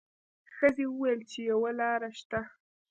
ښځې وویل چې یوه لار شته.